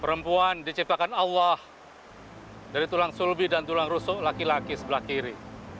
perempuan diciptakan allah dari tulang sulbi dan tulang rusuk laki laki sebelah kiri